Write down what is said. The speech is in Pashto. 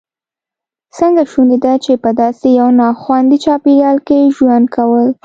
څنګه شونې ده په داسې یو ناخوندي چاپېریال کې ژوند کول.